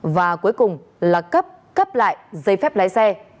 và cuối cùng là cấp cấp lại giấy phép lái xe